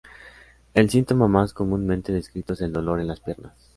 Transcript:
El síntoma más comúnmente descrito es dolor en las piernas.